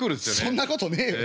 そんなことねえよ。